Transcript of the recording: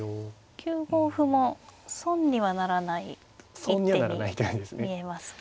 ９五歩も損にはならない一手に見えますが。